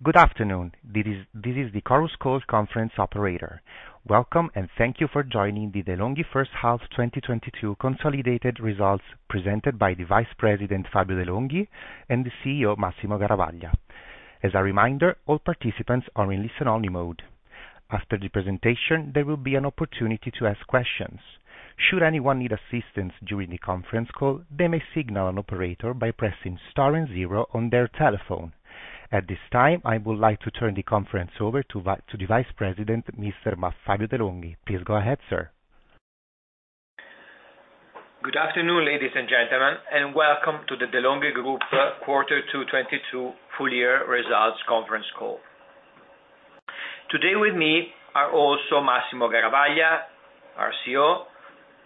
Good afternoon. This is the Chorus Call Conference operator. Welcome, and thank you for joining the De'Longhi First Half 2022 Consolidated Results presented by the Vice President, Fabio De'Longhi, and the CEO, Massimo Garavaglia. As a reminder, all participants are in listen-only mode. After the presentation, there will be an opportunity to ask questions. Should anyone need assistance during the conference call, they may signal an operator by pressing star and zero on their telephone. At this time, I would like to turn the conference over to the vice president, Mr. Fabio De'Longhi. Please go ahead, sir. Good afternoon, ladies and gentlemen, and welcome to the De'Longhi Group quarter two 2022 full year results conference call. Today with me are also Massimo Garavaglia, our CEO,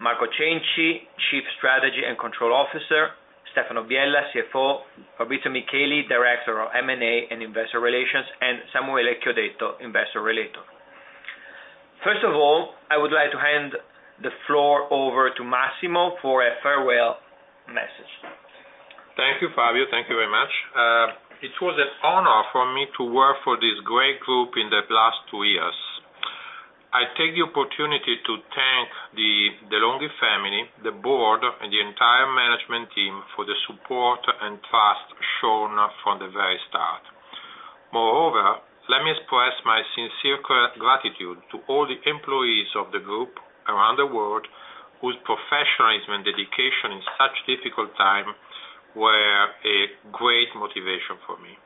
Marco Cenci, Chief Strategy and Control Officer, Stefano Biella, CFO, Fabrizio Micheli, Director of M&A and Investor Relations, and Samuele Chiodetto, Investor Relations. First of all, I would like to hand the floor over to Massimo for a farewell message. Thank you, Fabio. Thank you very much. It was an honor for me to work for this great group in the last two years. I take the opportunity to thank the De'Longhi family, the board, and the entire management team for the support and trust shown from the very start. Moreover, let me express my sincere gratitude to all the employees of the group around the world whose professionalism and dedication in such difficult time were a great motivation for me.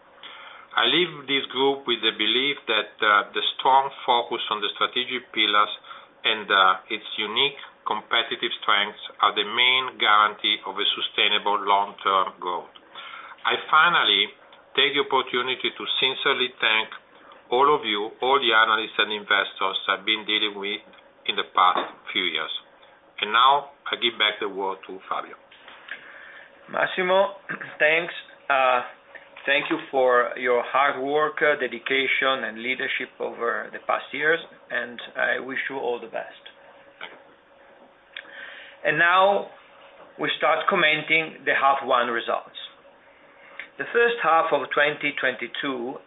I leave this group with the belief that the strong focus on the strategic pillars and its unique competitive strengths are the main guarantee of a sustainable long-term growth. I finally take the opportunity to sincerely thank all of you, all the analysts and investors I've been dealing with in the past few years. Now, I give back the word to Fabio. Massimo, thanks. Thank you for your hard work, dedication, and leadership over the past years, and I wish you all the best. Now we start commenting the H1 results. The first half of 2022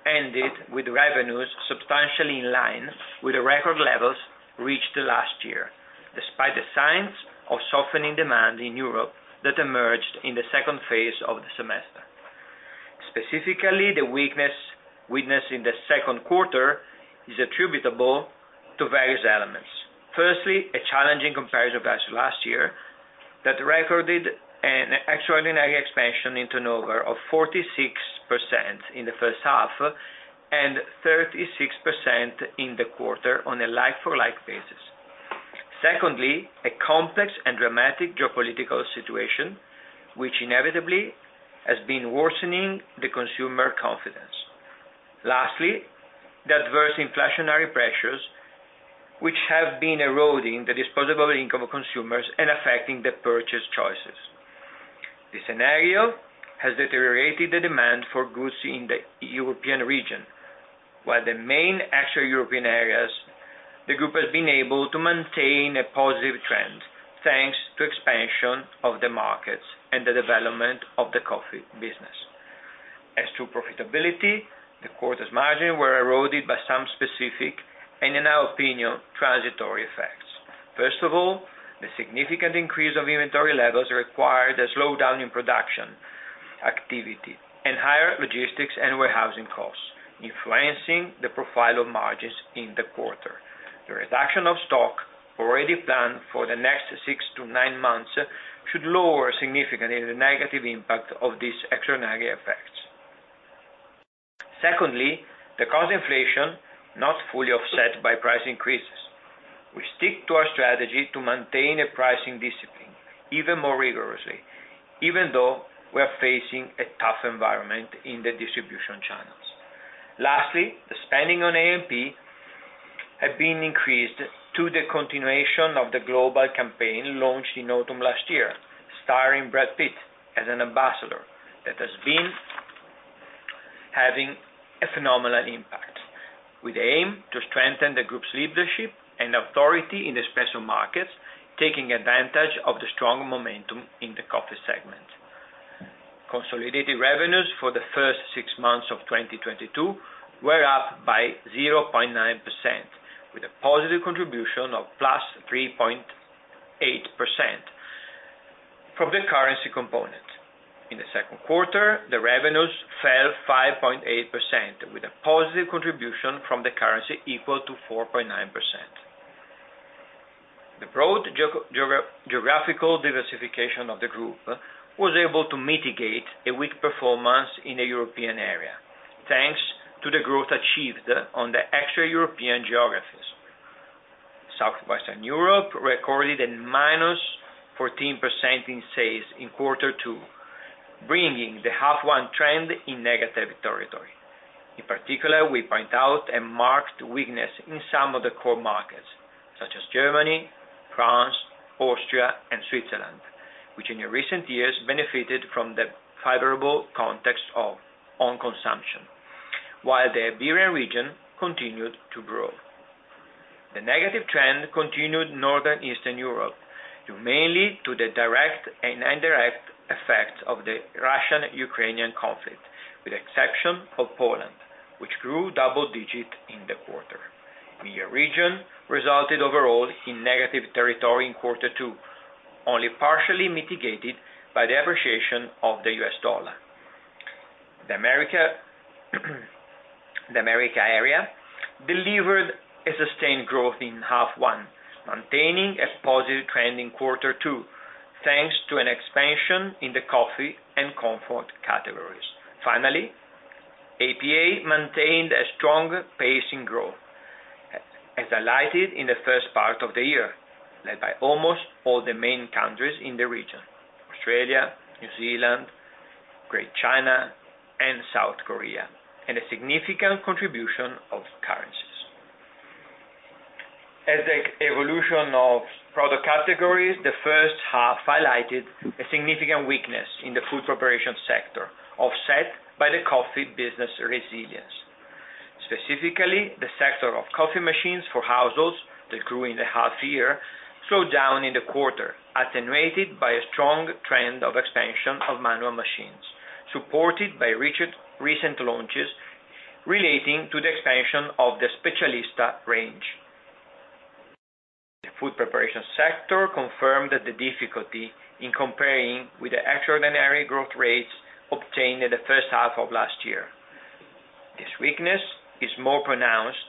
ended with revenues substantially in line with the record levels reached last year, despite the signs of softening demand in Europe that emerged in the second half of the semester. Specifically, the weakness in the second quarter is attributable to various elements. Firstly, a challenging comparison versus last year that recorded an extraordinary expansion in turnover of 46% in the first half and 36% in the quarter on a like-for-like basis. Secondly, a complex and dramatic geopolitical situation which inevitably has been worsening the consumer confidence. Lastly, the adverse inflationary pressures which have been eroding the disposable income of consumers and affecting the purchase choices. The scenario has deteriorated the demand for goods in the European region. While in the main extra-European areas, the group has been able to maintain a positive trend, thanks to expansion of the markets and the development of the coffee business. As to profitability, the quarter's margins were eroded by some specific and, in our opinion, transitory effects. First of all, the significant increase of inventory levels required a slowdown in production activity and higher logistics and warehousing costs, influencing the profile of margins in the quarter. The reduction of stock already planned for the next six to nine months should lower significantly the negative impact of these extraordinary effects. Secondly, the cost inflation was not fully offset by price increases. We stick to our strategy to maintain a pricing discipline even more rigorously, even though we're facing a tough environment in the distribution channels. Lastly, the spending on A&P have been increased to the continuation of the global campaign launched in autumn last year, starring Brad Pitt as an ambassador that has been having a phenomenal impact. With aim to strengthen the group's leadership and authority in the espresso markets, taking advantage of the strong momentum in the Coffee segment. Consolidated revenues for the first six months of 2022 were up by 0.9% with a positive contribution of +3.8% from the currency component. In the second quarter, the revenues fell 5.8% with a positive contribution from the currency equal to 4.9%. The broad geographical diversification of the group was able to mitigate a weak performance in the European area, thanks to the growth achieved on the extra-European geographies. Southwestern Europe recorded a -14% in sales in quarter two, bringing the half one trend in negative territory. In particular, we point out a marked weakness in some of the core markets such as Germany, France, Austria, and Switzerland, which in the recent years benefited from the favorable context of own consumption, while the Iberian region continued to grow. The negative trend continued Northern Eastern Europe, due mainly to the direct and indirect effects of the Russian-Ukrainian conflict, with exception of Poland, which grew double-digit in the quarter. The region resulted overall in negative territory in quarter two, only partially mitigated by the appreciation of the US dollar. The America area delivered a sustained growth in half one, maintaining a positive trend in quarter two, thanks to an expansion in the coffee and comfort categories. Finally, APAC maintained a strong pace in growth, as highlighted in the first part of the year, led by almost all the main countries in the region, Australia, New Zealand, Greater China, and South Korea, and a significant contribution of currencies. As the evolution of product categories, the first half highlighted a significant weakness in the food preparation sector, offset by the coffee business resilience. Specifically, the sector of coffee machines for households that grew in the half year slowed down in the quarter, attenuated by a strong trend of expansion of manual machines, supported by recent launches relating to the expansion of the Specialista range. The food preparation sector confirmed the difficulty in comparing with the extraordinary growth rates obtained in the first half of last year. This weakness is more pronounced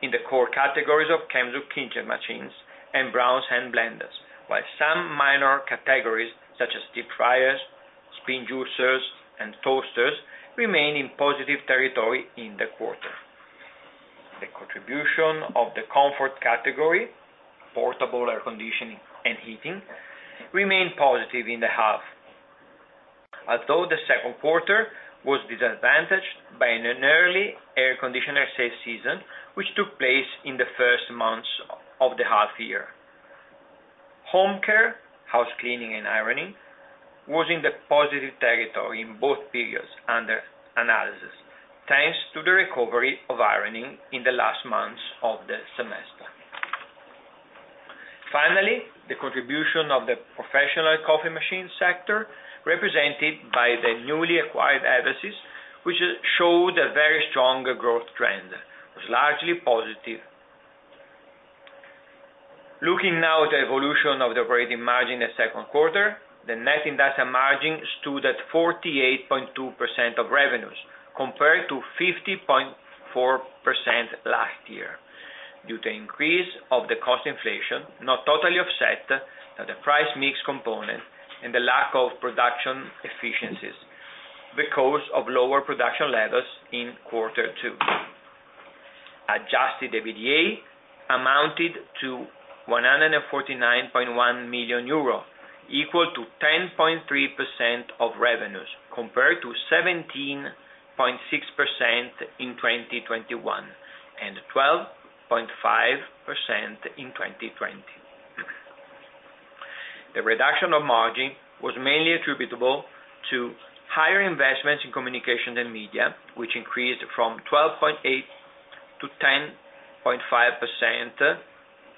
in the core categories of Kenwood kitchen machines and Braun's hand blenders, while some minor categories such as deep fryers, spin juicers, and toasters remain in positive territory in the quarter. The contribution of the Comfort category, portable air conditioning and heating, remained positive in the half, although the second quarter was disadvantaged by an early air conditioner sales season, which took place in the first months of the half year. Home Care, house cleaning, and ironing was in the positive territory in both periods under analysis, thanks to the recovery of Ironing in the last months of the semester. Finally, the contribution of the Professional Coffee Machine sector, represented by the newly acquired Eversys, which showed a very strong growth trend, was largely positive. Looking now at the evolution of the operating margin in the second quarter, the net industrial margin stood at 48.2% of revenues compared to 50.4% last year due to the increase of the cost inflation, not totally offset by the price mix component and the lack of production efficiencies because of lower production levels in quarter two. Adjusted EBITDA amounted to 149.1 million euro, equal to 10.3% of revenues compared to 17.6% in 2021, and 12.5% in 2020. The reduction of margin was mainly attributable to higher investments in communication and media, which increased from 10.5% to 12.8%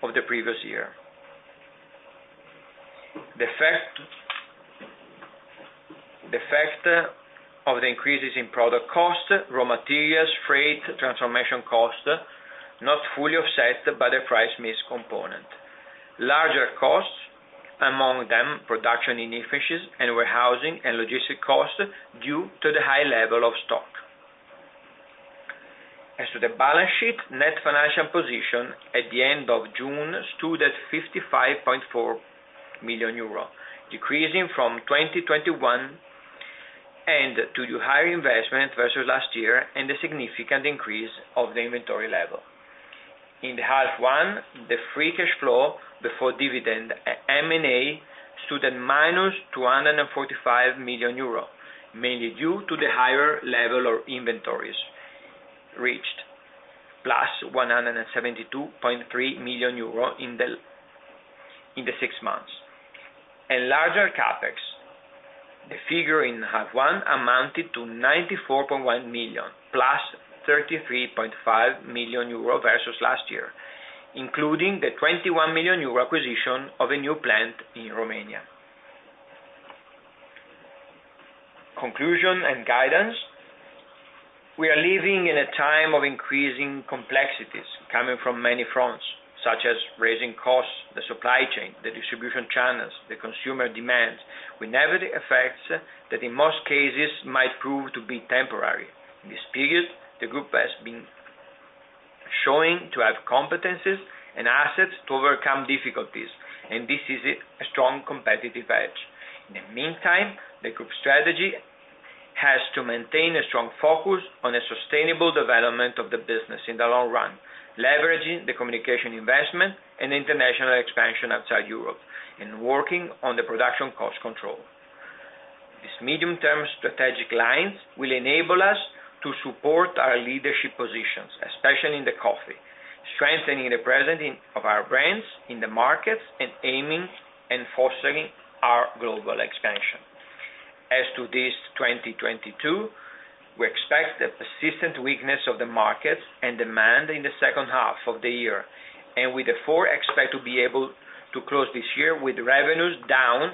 of the previous year. The fact of the increases in product cost, raw materials, freight, transformation cost, not fully offset by the price mix component. Larger costs, among them production inefficiencies and warehousing and logistic costs due to the high level of stock. As to the balance sheet, net financial position at the end of June stood at 55.4 million euro, decreasing from 2021, and due to higher investment versus last year and the significant increase of the inventory level. In the first half, the free cash flow before dividend and M&A stood at -245 million euro, mainly due to the higher level of inventories reached, plus 172.3 million euro in the six months. Larger CapEx, the figure in the first half amounted to 94.1 million, +33.5 million euro versus last year, including the 21 million euro acquisition of a new plant in Romania. Conclusion and guidance. We are living in a time of increasing complexities coming from many fronts, such as rising costs, the supply chain, the distribution channels, the consumer demands. We never felt the effects that in most cases might prove to be temporary. In this period, the group has been showing to have competencies and assets to overcome difficulties, and this is a strong competitive edge. In the meantime, the group strategy has to maintain a strong focus on a sustainable development of the business in the long run, leveraging the communication investment and international expansion outside Europe and working on the production cost control. This medium-term strategic lines will enable us to support our leadership positions, especially in the coffee, strengthening the presence of our brands in the markets, and aiming and fostering our global expansion. As to 2022, we expect the persistent weakness of the markets and demand in the second half of the year, and we therefore expect to be able to close this year with revenues down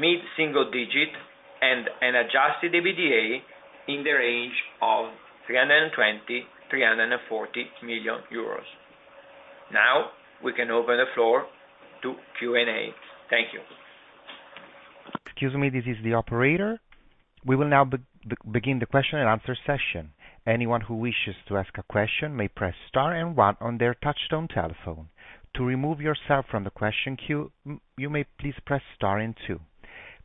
mid-single digit% and an adjusted EBITDA in the range of 320 million-340 million euros. Now, we can open the floor to Q&A. Thank you. Excuse me, this is the operator. We will now begin the question and answer session. Anyone who wishes to ask a question may press star and one on their touchtone telephone. To remove yourself from the question queue, you may please press star and two.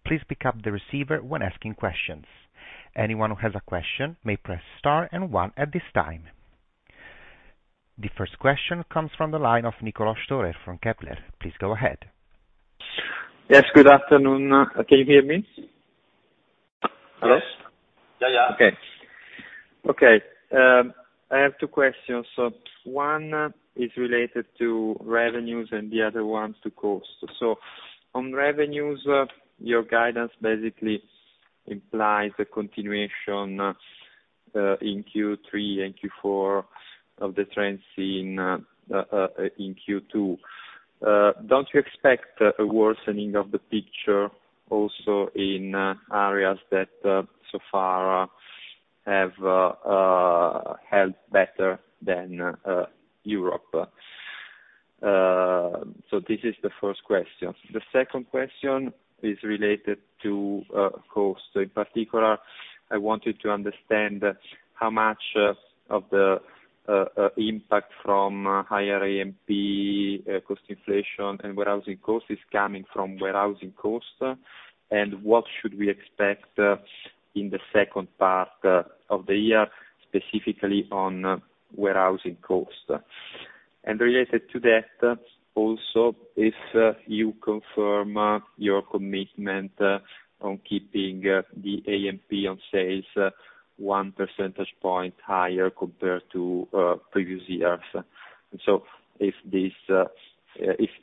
Please pick up the receiver when asking questions. Anyone who has a question may press star and one at this time. The first question comes from the line of Niccolò Storer from Kepler. Please go ahead. Yes. Good afternoon. Can you hear me? Hello? Yes. I have two questions. One is related to revenues and the other one to costs. On revenues, your guidance basically implies a continuation in Q3 and Q4 of the trends in Q2. Don't you expect a worsening of the picture also in areas that so far have held better than Europe? This is the first question. The second question is related to costs. In particular, I wanted to understand how much of the impact from higher A&P, cost inflation, and warehousing costs is coming from warehousing costs, and what should we expect in the second part of the year, specifically on warehousing costs? Related to that, also, if you confirm your commitment on keeping the A&P on sales one percentage point higher compared to previous years. If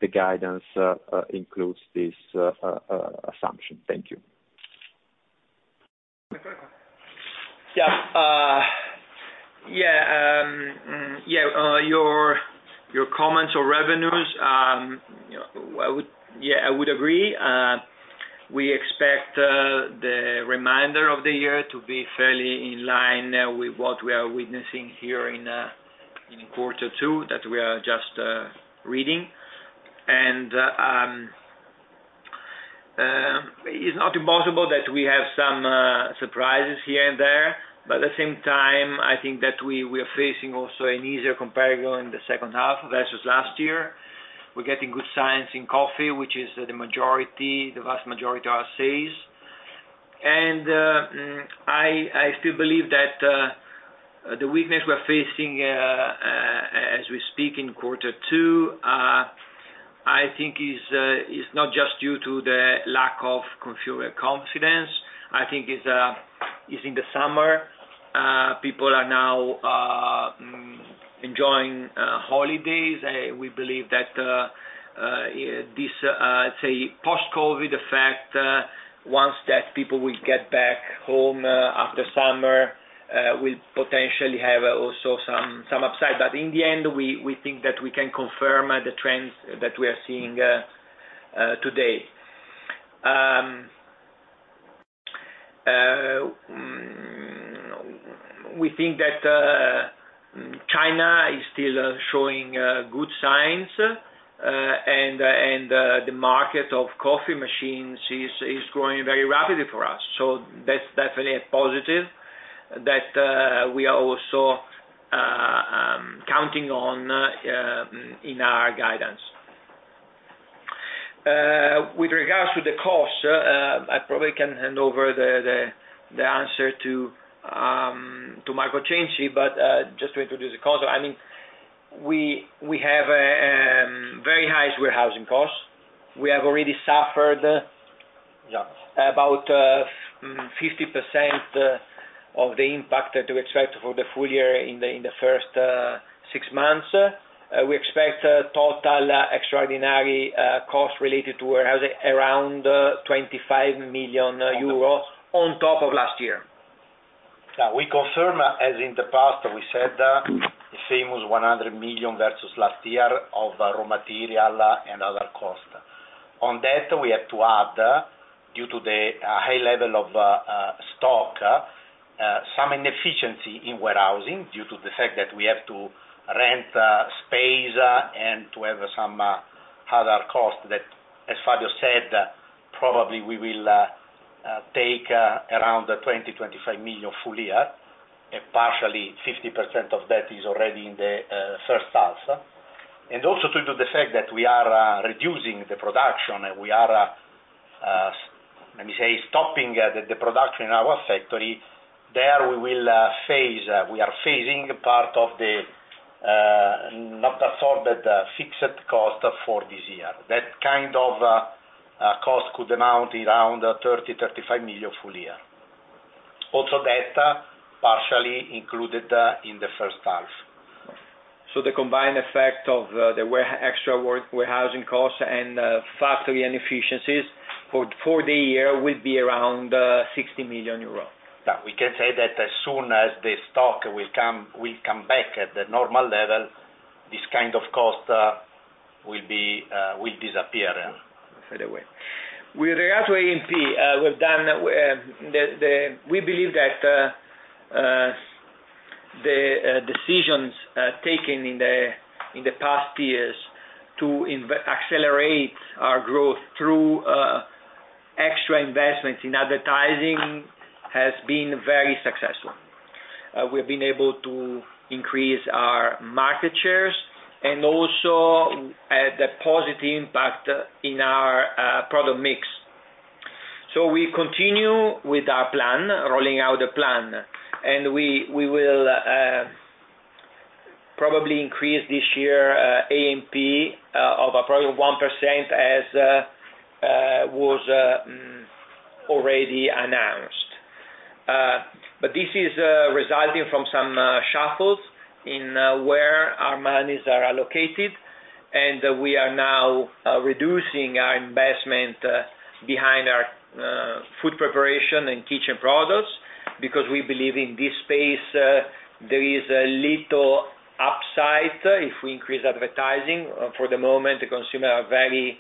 the guidance includes this assumption. Thank you. Your comments on revenues, I would agree. We expect the remainder of the year to be fairly in line with what we are witnessing here in quarter two that we are just reading. It's not impossible that we have some surprises here and there. At the same time, I think that we are facing also an easier comparison in the second half versus last year. We're getting good signs in coffee, which is the majority, the vast majority of our sales. I still believe that the weakness we're facing as we speak in quarter two I think is not just due to the lack of consumer confidence. I think it's in the summer. People are now enjoying holidays. We believe that this post-COVID effect, once that people will get back home after summer, will potentially have some upside. In the end, we think that we can confirm the trends that we are seeing today. We think that China is still showing good signs, and the market of coffee machines is growing very rapidly for us. That's definitely a positive that we are also counting on in our guidance. With regards to the cost, I probably can hand over the answer to Marco Cenci, but just to introduce the cost. I mean, we have very high warehousing costs. We have already suffered, yeah, about 50% of the impact to expect for the full year in the first six months. We expect total extraordinary costs related to warehousing around 25 million euro on top of last year. Yeah. We confirm, as in the past we said, the same as 100 million versus last year of raw material and other costs. On that, we have to add, due to the high level of stock, some inefficiency in warehousing due to the fact that we have to rent space and to have some other costs that, as Fabio said, probably we will take around 20 million-25 million full year, and partially 50% of that is already in the first half. Also due to the fact that we are reducing the production, we are let me say, stopping the production in our factory. There we will phase, we are phasing part of the not absorbed fixed cost for this year. That kind of cost could amount around 30 million-35 million full year. That partially included in the first half. The combined effect of the extra warehousing costs and factory inefficiencies for the year will be around 60 million euro? Yeah, we can say that as soon as the stock will come back at the normal level, this kind of cost will disappear right away. With regards to A&P, we believe that the decisions taken in the past years to accelerate our growth through extra investments in advertising has been very successful. We've been able to increase our market shares and also had a positive impact in our product mix. We continue with our plan, rolling out the plan. We will probably increase this year A&P of probably 1% as was already announced. But this is resulting from some shuffles in where our monies are allocated, and we are now reducing our investment behind our food preparation and kitchen products because we believe in this space there is a little upside if we increase advertising. For the moment, the consumer are very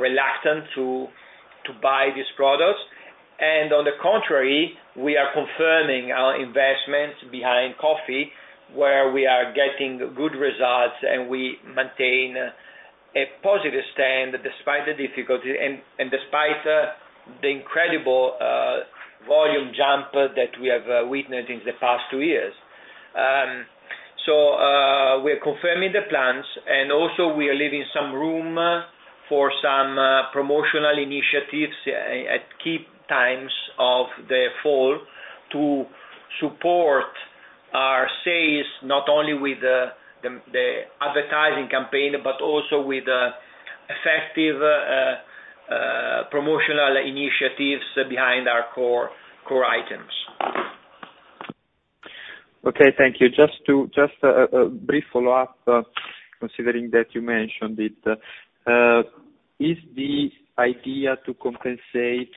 reluctant to buy these products. On the contrary, we are confirming our investments behind coffee, where we are getting good results, and we maintain a positive stand despite the difficulty and despite the incredible volume jump that we have witnessed in the past two years. We're confirming the plans, and also we are leaving some room for some promotional initiatives at key times of the fall to support our sales, not only with the advertising campaign, but also with effective promotional initiatives behind our core items. Okay, thank you. Just a brief follow-up, considering that you mentioned it. Is the idea to compensate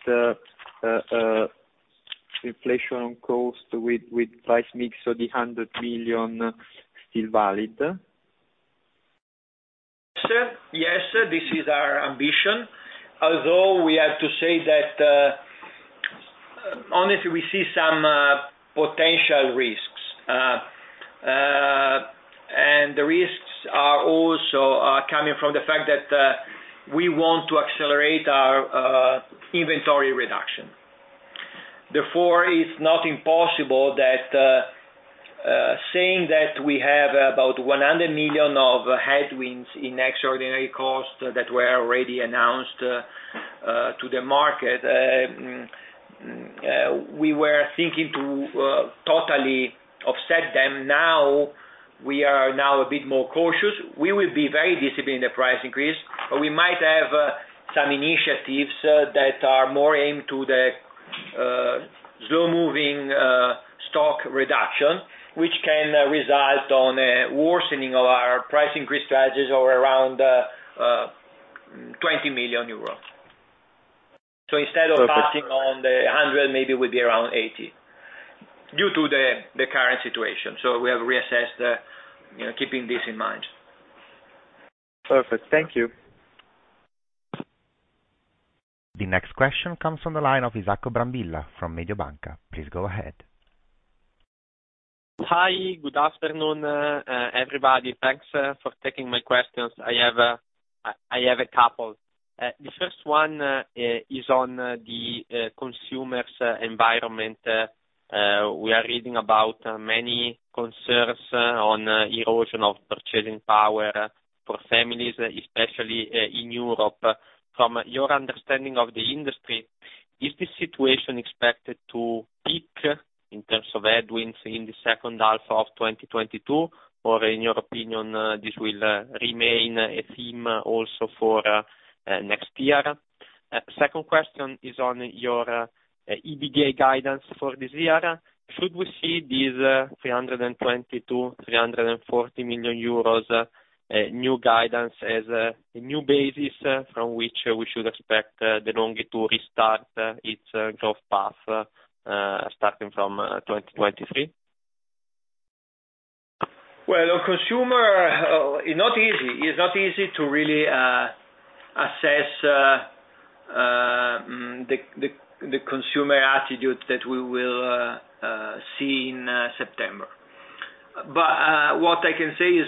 inflation on cost with price mix of 100 million still valid? Yes. Yes, this is our ambition. Although we have to say that, honestly, we see some potential risks. The risks are also coming from the fact that we want to accelerate our inventory reduction. Therefore, it's not impossible that, saying that we have about 100 million of headwinds in extraordinary costs that were already announced to the market, we were thinking to totally offset them. Now, we are a bit more cautious. We will be very disciplined in the price increase, but we might have some initiatives that are more aimed to the slow-moving stock reduction, which can result on a worsening of our price increase strategies or around 20 million euros. Instead of passing on the 100, maybe it would be around 80 due to the current situation. We have reassessed, you know, keeping this in mind. Perfect. Thank you. The next question comes from the line of Isacco Brambilla from Mediobanca. Please go ahead. Hi. Good afternoon, everybody. Thanks for taking my questions. I have a couple. The first one is on the consumer's environment. We are reading about many concerns on erosion of purchasing power for families, especially in Europe. From your understanding of the industry, is this situation expected to peak in terms of headwinds in the second half of 2022, or in your opinion, this will remain a theme also for next year? Second question is on your EBITDA guidance for this year. Should we see this 320 million-340 million euros new guidance as a new basis from which we should expect De'Longhi to restart its growth path starting from 2023? Well, on consumer, it's not easy. It's not easy to really assess the consumer attitude that we will see in September. What I can say is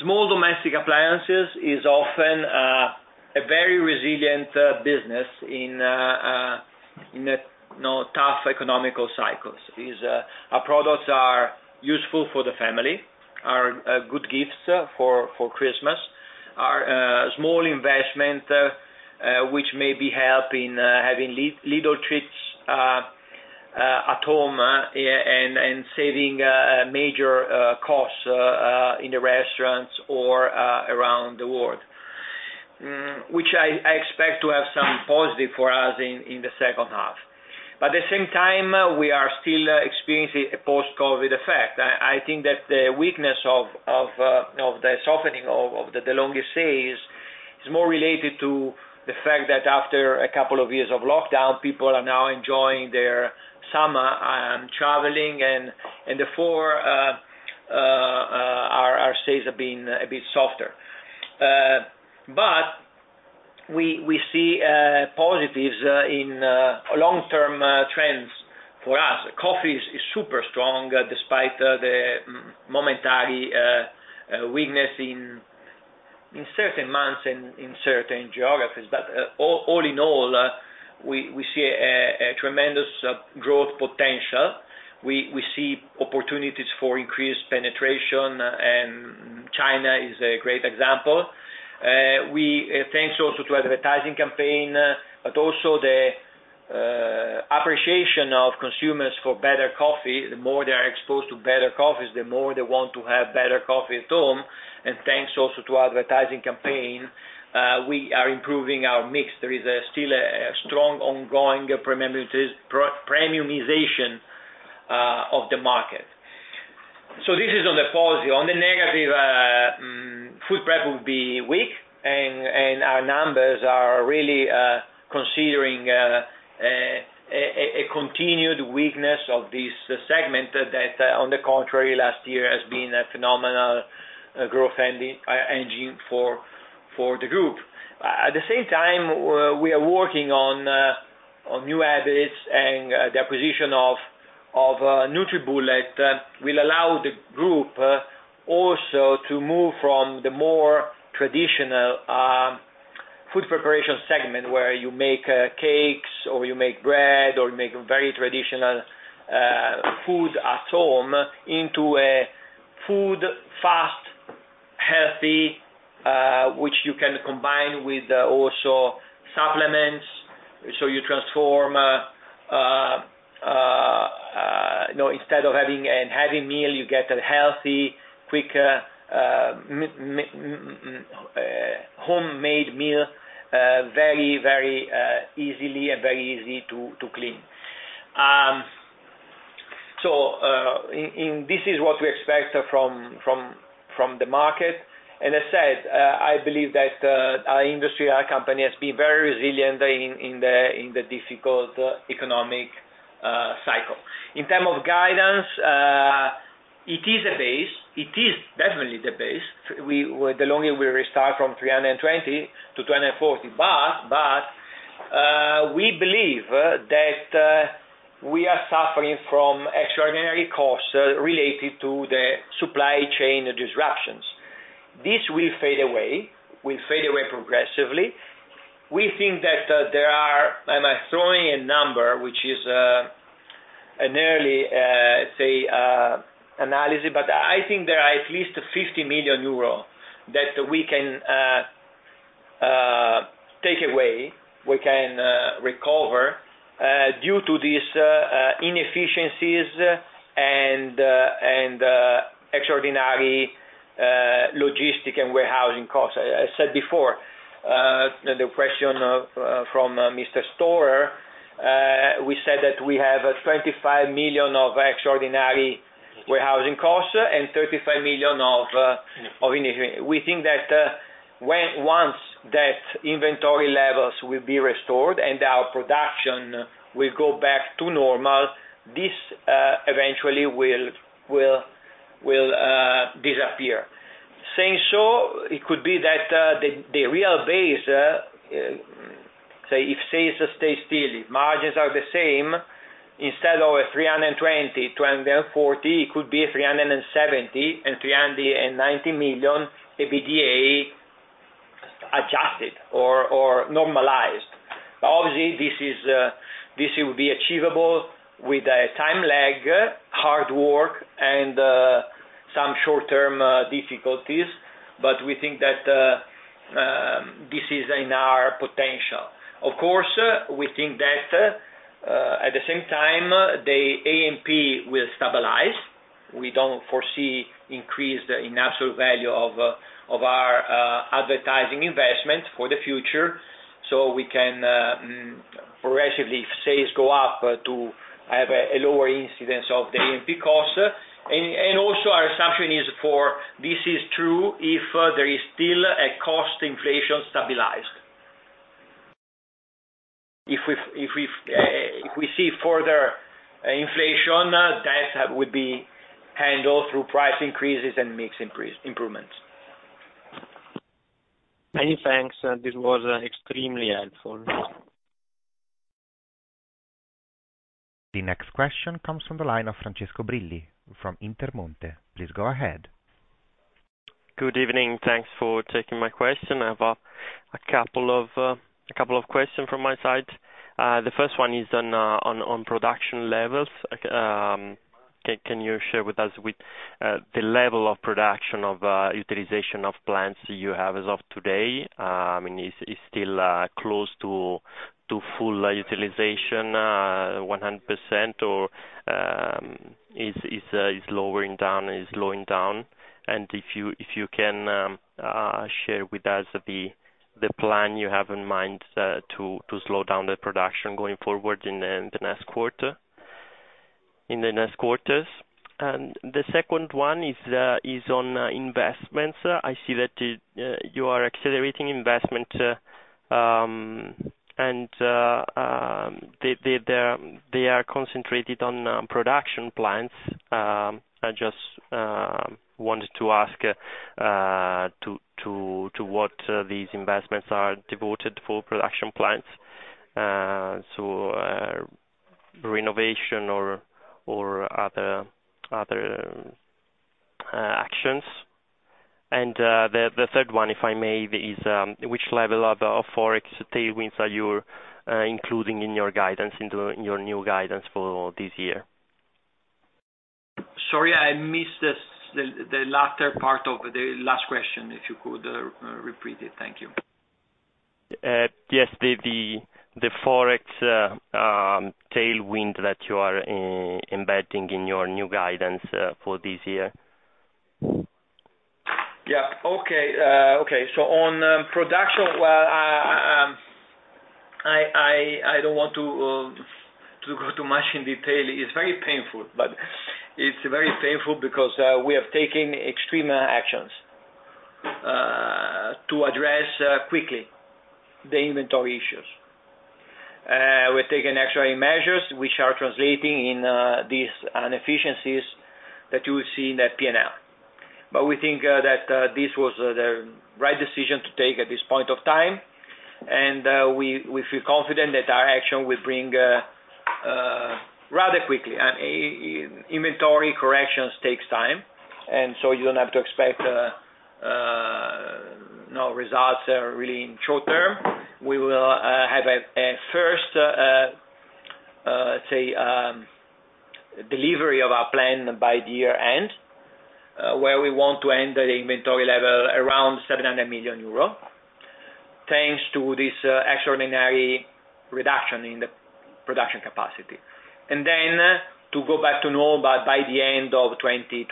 small domestic appliances is often a very resilient business in a you know tough economic cycles. These our products are useful for the family, are good gifts for Christmas, are small investment which may be helping having little treats at home, and saving major costs in the restaurants or around the world. Which I expect to have some positive for us in the second half. At the same time, we are still experiencing a post-COVID effect. I think that the weakness of the softening of the De'Longhi sales is more related to the fact that after a couple of years of lockdown, people are now enjoying their summer and traveling, and therefore, our sales have been a bit softer. We see positives in long-term trends for us. Coffee is super strong despite the momentary weakness in certain months and in certain geographies. All in all, we see a tremendous growth potential. We see opportunities for increased penetration, and China is a great example. Thanks also to advertising campaign, but also the appreciation of consumers for better coffee. The more they are exposed to better coffees, the more they want to have better coffee at home. Thanks also to advertising campaign, we are improving our mix. There is still a strong ongoing premiumization of the market. This is on the positive. On the negative, food prep will be weak, and our numbers are really considering a continued weakness of this segment that, on the contrary, last year has been a phenomenal growth engine for the group. At the same time, we are working on new habits, and the acquisition of NutriBullet will allow the group also to move from the more traditional food preparation segment, where you make cakes or you make bread or you make very traditional food at home, into fast, healthy food which you can combine with also supplements. You transform, you know, instead of having a heavy meal, you get a healthy, quicker, homemade meal, very easily and very easy to clean. This is what we expect from the market. I said, I believe that our industry, our company has been very resilient in the difficult economic cycle. In terms of guidance, it is a base. It is definitely the base. De'Longhi will restart from 320 million-240 million. We believe that we are suffering from extraordinary costs related to the supply chain disruptions. This will fade away progressively. We think that there are. I'm throwing a number which is an early say analysis, but I think there are at least 50 million euros that we can take away, we can recover due to these inefficiencies and extraordinary logistics and warehousing costs. I said before the question from Mr. Storer, we said that we have 25 million of extraordinary warehousing costs and 35 million of inefficient. We think that once that inventory levels will be restored and our production will go back to normal, this eventually will disappear. Saying so, it could be that the real base say if sales stay still, if margins are the same, instead of 320 million, 240 million, it could be 370 million-390 million EBITDA adjusted or normalized. Obviously, this will be achievable with a time lag, hard work, and some short-term difficulties, but we think that this is in our potential. Of course, we think that at the same time, the A&P will stabilize. We don't foresee increase in absolute value of our advertising investment for the future. We can progressively, if sales go up, to have a lower incidence of the A&P costs. Also our assumption is for this is true if there is still a cost inflation stabilized. If we see further inflation, that would be handled through price increases and mix improvements. Many thanks. This was extremely helpful. The next question comes from the line of Francesco Brilli from Intermonte. Please go ahead. Good evening. Thanks for taking my question. I have a couple of questions from my side. The first one is on production levels. Can you share with us the level of production utilization of plants you have as of today? Is it still close to full utilization, 100%, or is slowing down? If you can share with us the plan you have in mind to slow down the production going forward in the next quarter, in the next quarters. The second one is on investments. I see that you are accelerating investment, and they are concentrated on production plants. I just wanted to ask to what these investments are devoted for production plants, so renovation or other actions. The third one, if I may, is which level of Forex tailwinds are you including in your guidance, in your new guidance for this year? Sorry, I missed this, the latter part of the last question. If you could, repeat it. Thank you. Yes. The Forex tailwind that you are embedding in your new guidance for this year. On production, I don't want to go too much in detail. It's very painful because we have taken extreme actions to address quickly the inventory issues. We've taken extraordinary measures, which are translating in these inefficiencies that you see in the P&L. But we think that this was the right decision to take at this point of time. We feel confident that our action will bring rather quickly. Inventory corrections takes time, and so you don't have to expect no results really in short term. We will have a first delivery of our plan by the year end, where we want to end the inventory level around 700 million euro, thanks to this extraordinary reduction in the production capacity. Then to go back to normal by the end of 2023,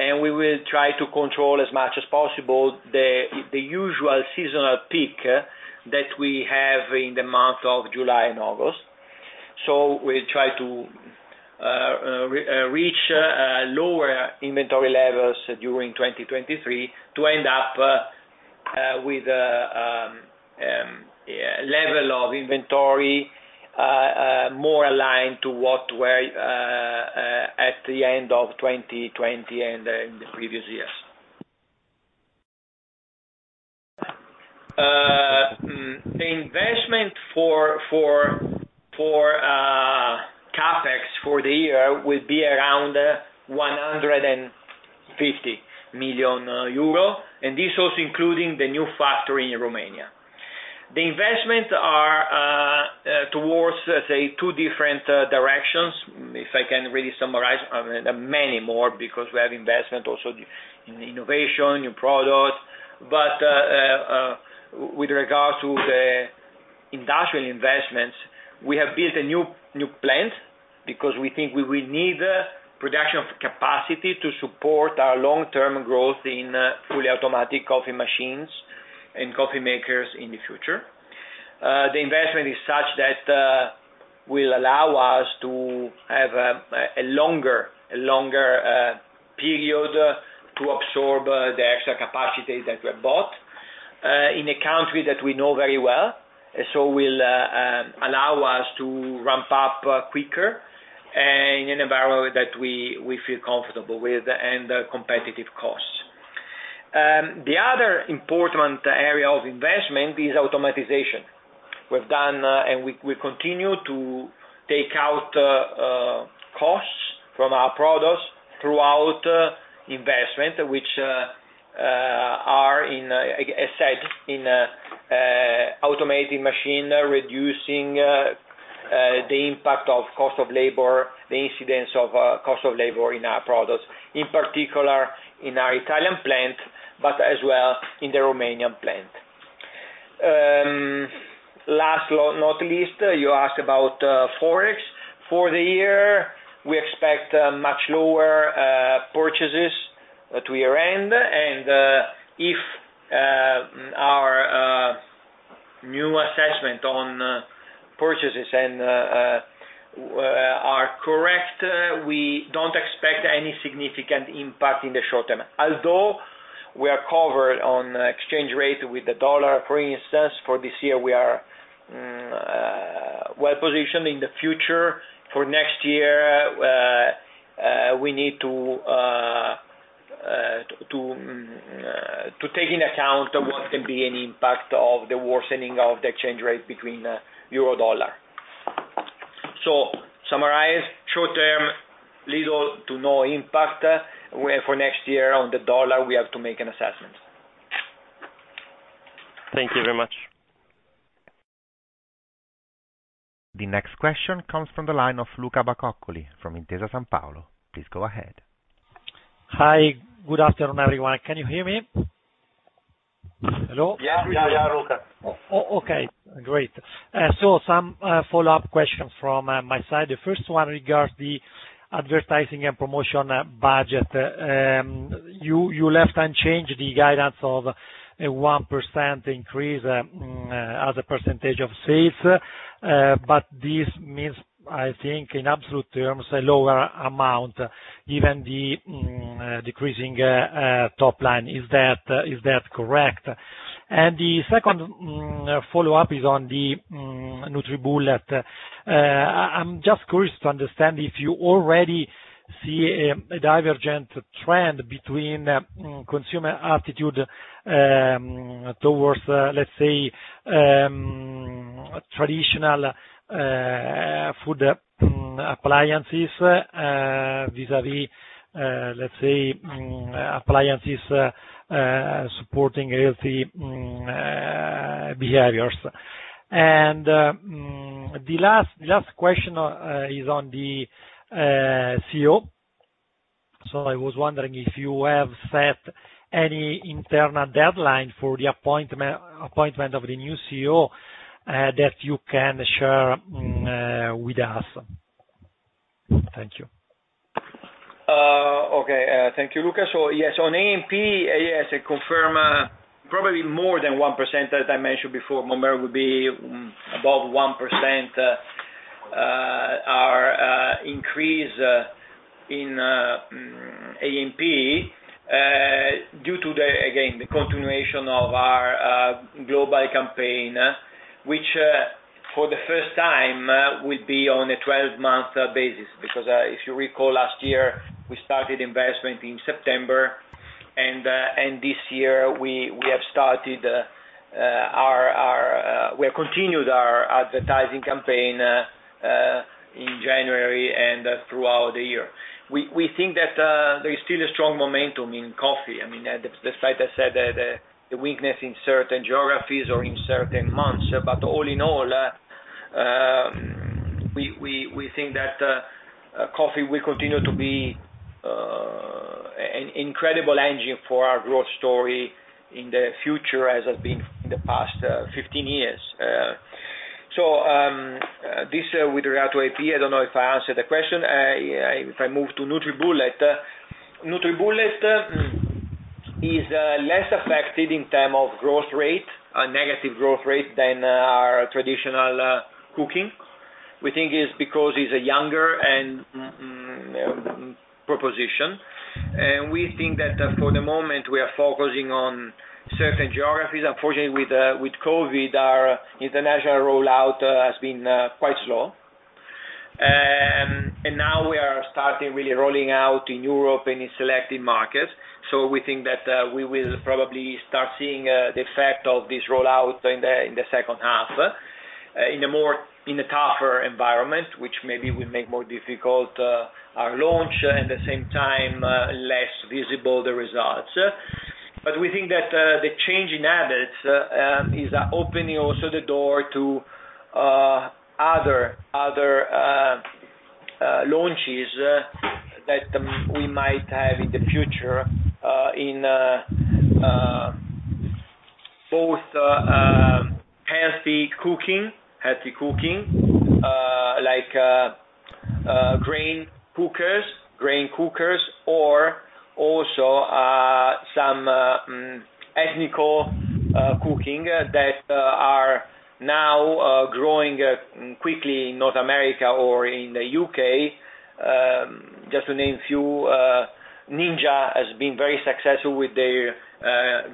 and we will try to control as much as possible the usual seasonal peak that we have in the month of July and August. We'll try to reach lower inventory levels during 2023 to end up with a level of inventory more aligned to what we were at the end of 2020 and in the previous years. The investment for CapEx for the year will be around 150 million euro, and this also including the new factory in Romania. The investments are towards, say, two different directions, if I can really summarize. I mean, there are many more because we have investment also in innovation, in products. With regards to the industrial investments, we have built a new plant because we think we will need production capacity to support our long-term growth in fully automatic coffee machines and coffee makers in the future. The investment is such that will allow us to have a longer period to absorb the extra capacity that we bought in a country that we know very well. Will allow us to ramp up quicker and in an environment that we feel comfortable with and competitive costs. The other important area of investment is automation. We've done and we continue to take out costs from our products through investment, which are in, as said, in automating machine, reducing the impact of cost of labor, the incidence of cost of labor in our products, in particular in our Italian plant, but as well in the Romanian plant. Last but not least, you asked about Forex. For the year, we expect much lower purchases at year-end and, if our new assessment on purchases and we are correct, we don't expect any significant impact in the short term. Although we are covered on exchange rate with the dollar, for instance, for this year we are well positioned in the future. For next year, we need to take into account what can be an impact of the worsening of the exchange rate between euro dollar. Summarize, short term, little to no impact. For next year on the dollar, we have to make an assessment. Thank you very much. The next question comes from the line of Luca Bacoccoli from Intesa Sanpaolo. Please go ahead. Hi. Good afternoon, everyone. Can you hear me? Hello? Yeah, yeah, Luca. Okay, great. Some follow-up questions from my side. The first one regards the advertising and promotion budget. You left unchanged the guidance of a 1% increase as a percentage of sales, but this means, I think, in absolute terms, a lower amount, given the decreasing top line. Is that correct? The second follow-up is on the NutriBullet. I'm just curious to understand if you already see a divergent trend between consumer attitude towards, let's say, traditional food appliances vis-a-vis, let's say, appliances supporting healthy behaviors. The last question is on the CEO. I was wondering if you have set any internal deadline for the appointment of the new CEO that you can share with us. Thank you. Okay. Thank you, Luca. Yes, on A&P, yes, I confirm, probably more than 1%, as I mentioned before, De'Longhi will be above 1%, our increase in A&P due to the, again, the continuation of our global campaign, which for the first time will be on a 12-month basis. Because if you recall last year, we started investment in September, and this year, we have started our, we have continued our advertising campaign in January and throughout the year. We think that there is still a strong momentum in coffee. I mean, despite I said that the weakness in certain geographies or in certain months, but all in all, we think that coffee will continue to be an incredible engine for our growth story in the future, as has been in the past 15 years. This with regard to A&P, I don't know if I answered the question. If I move to NutriBullet. NutriBullet is less affected in term of growth rate, a negative growth rate, than our traditional cooking. We think it's because it's a younger and proposition. We think that for the moment, we are focusing on certain geographies. Unfortunately, with COVID, our international rollout has been quite slow. Now we are starting really rolling out in Europe and in selected markets. We think that we will probably start seeing the effect of this rollout in the second half in a tougher environment, which maybe will make more difficult our launch, at the same time less visible the results. We think that the change in habits is opening also the door to other launches that we might have in the future in both healthy cooking like grain cookers or also some ethnic cooking that are now growing quickly in North America or in the U.K. Just to name a few, Ninja has been very successful with their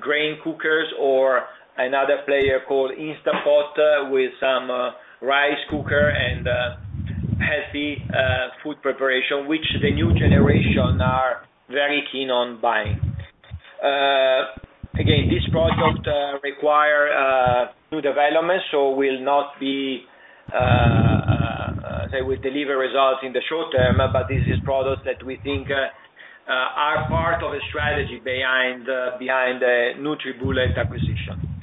grain cookers or another player called Instant Pot with some rice cooker and healthy food preparation, which the new generation are very keen on buying. Again, this product require new development, so they will deliver results in the short term, but this is products that we think are part of a strategy behind the NutriBullet acquisition.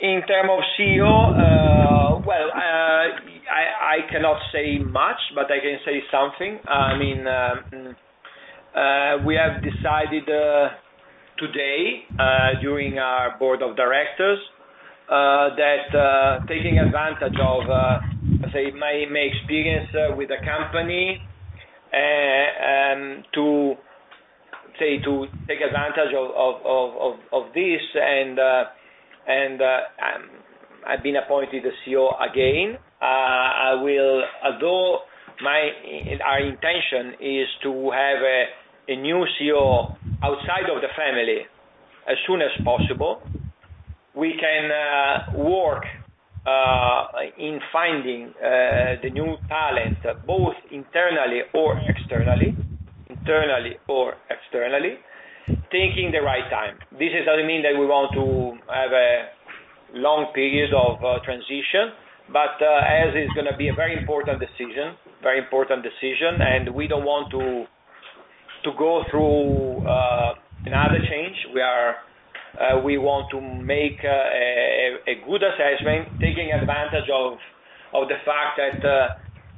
In terms of CEO, well, I cannot say much, but I can say something. I mean, we have decided today during our board of directors that, taking advantage of my experience with the company to take advantage of this and I've been appointed the CEO again. Although our intention is to have a new CEO outside of the family as soon as possible, we can work in finding the new talent both internally or externally, taking the right time. This does not mean that we want to have a long period of transition. As it's gonna be a very important decision and we don't want to go through another change. We want to make a good assessment, taking advantage of the fact that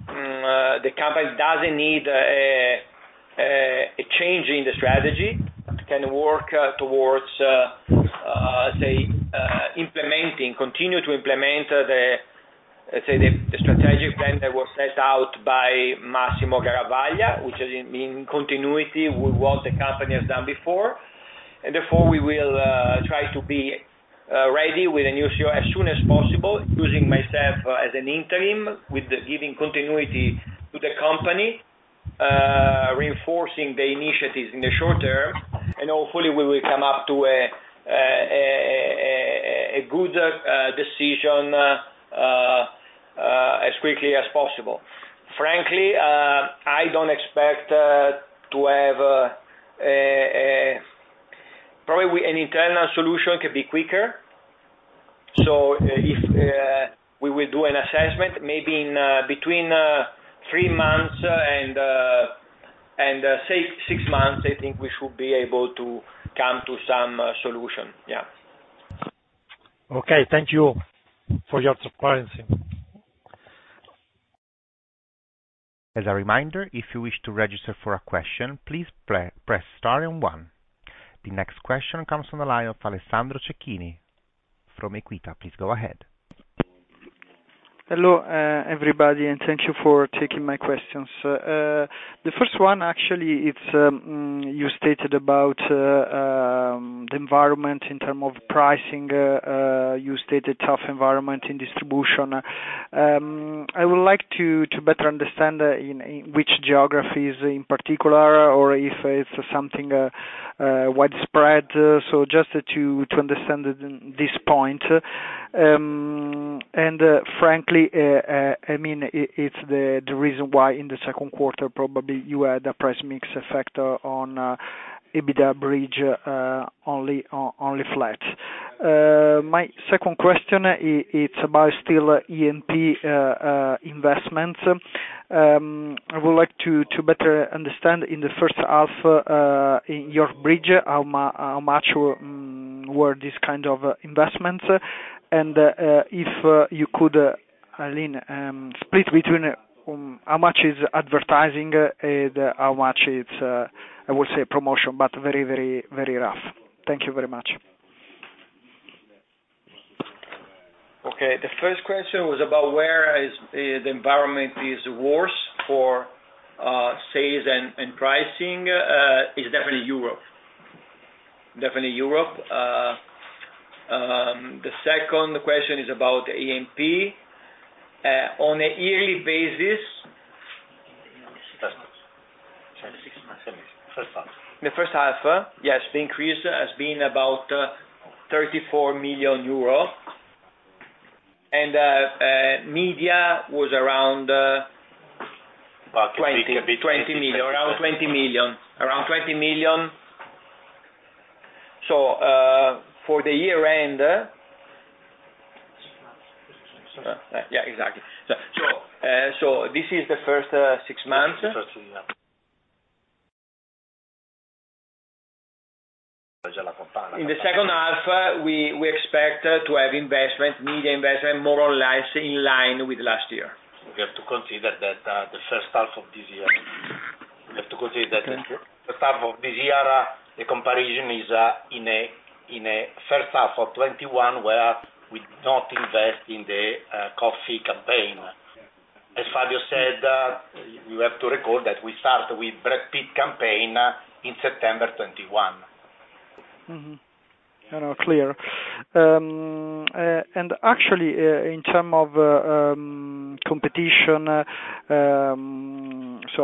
the company doesn't need a change in the strategy. Can work towards, say, implementing. Continue to implement the, let's say, the strategic plan that was set out by Massimo Garavaglia, which is in continuity with what the company has done before. Therefore, we will try to be ready with a new CEO as soon as possible, using myself as an interim with giving continuity to the company, reinforcing the initiatives in the short term, and hopefully we will come up to a good decision as quickly as possible. Frankly, I don't expect to have a. Probably an internal solution could be quicker. If we will do an assessment, maybe in between three months and six months, I think we should be able to come to some solution. Yeah. Okay. Thank you for your transparency. As a reminder, if you wish to register for a question, please press star then one. The next question comes from the line of Alessandro Cecchini from Equita. Please go ahead. Hello, everybody, and thank you for taking my questions. The first one actually, it's you stated about the environment in terms of pricing. You stated tough environment in distribution. I would like to better understand in which geographies in particular or if it's something widespread. Just to understand this point. Frankly, I mean, it's the reason why in the second quarter probably you had a price mix effect on EBITDA bridge only flat. My second question it's about still A&P investment. I would like to better understand in the first half in your bridge, how much were this kind of investments? If you could split between how much is advertising and how much it's, I would say promotion, but very rough. Thank you very much. Okay. The first question was about where the environment is worse for sales and pricing. It's definitely Europe. The second question is about A&P. On a yearly basis? Six months. First half. The first half, yes, the increase has been about 34 million euro. Media was around? About 20. EUR 20 million. Around EUR 20 million. For the year-end? Six months. Yeah, exactly. This is the first six months? First six months. In the second half, we expect to have investment, media investment, more or less in line with last year. We have to consider that the first half of this year, the comparison is in a first half of 2021, where we do not invest in the coffee campaign. As Fabio said, you have to record that we start with Brad Pitt campaign in September 2021. Mm-hmm. No, no, clear. Actually, in terms of competition,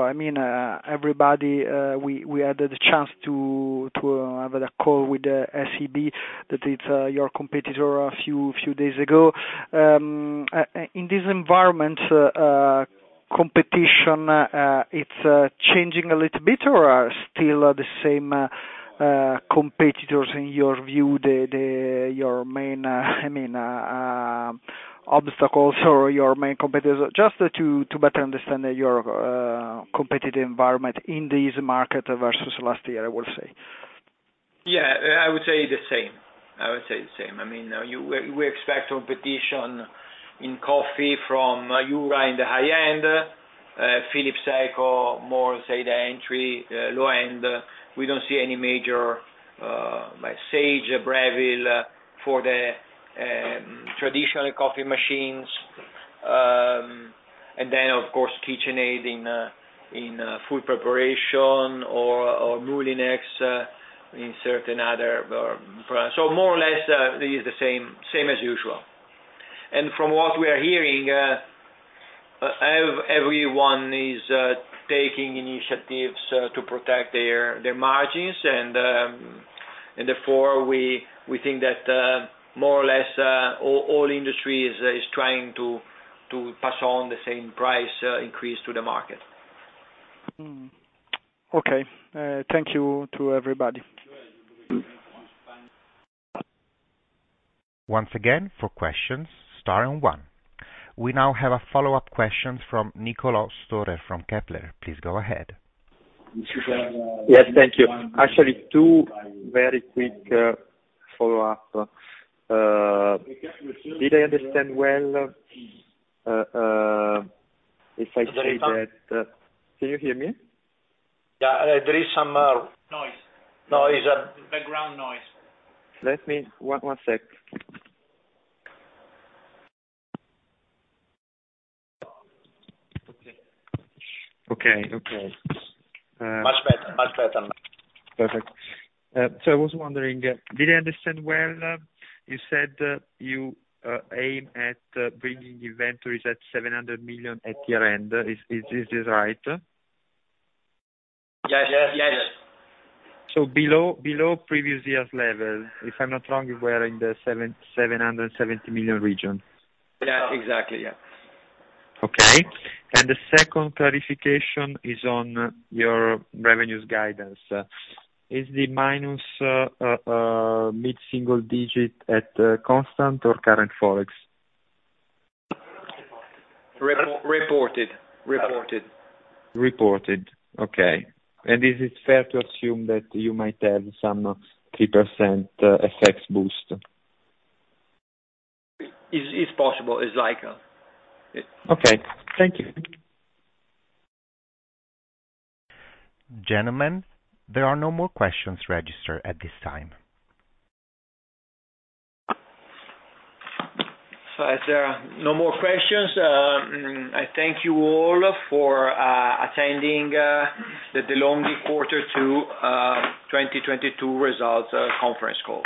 I mean, everybody we had the chance to have a call with SEB, that's your competitor a few days ago. In this environment, competition, it's changing a little bit or still the same competitors in your view, the. Your main, I mean, obstacles or your main competitors? Just to better understand your competitive environment in this market versus last year, I will say. Yeah, I would say the same. I mean, you're right. We expect competition in coffee from, you're right, in the high end, Philips, Saeco, more so in the entry low end. We don't see any major, like Sage, Breville for the traditional coffee machines. Then of course KitchenAid in food preparation or Moulinex in certain other products. So more or less it is the same as usual. From what we are hearing, everyone is taking initiatives to protect their margins. Therefore, we think that more or less all industry is trying to pass on the same price increase to the market. Mm-hmm. Okay. Thank you to everybody. Once again, for questions, star then one. We now have a follow-up question from Niccol`o Storer from Kepler. Please go ahead. Yes, thank you. Actually, two very quick follow-up. Did I understand well, if I say that? Can you hear me? Yeah. There is some noise. Background noise. One sec. Okay. Much better. Much better now. Perfect. I was wondering, did I understand well, you said you aim at bringing inventories at 700 million at year-end. Is this right? Yes. Below previous year's level. If I'm not wrong, we were in the 770 million region. Yeah, exactly. Yeah. Okay. The second clarification is on your revenues guidance. Is the minus mid-single digit at constant or current Forex? Reported. Reported. Okay. Is it fair to assume that you might have some 3% FX effects boost? It's possible. It's like? Okay. Thank you. Gentlemen, there are no more questions registered at this time. As there are no more questions, I thank you all for attending the De'Longhi quarter two 2022 results conference call.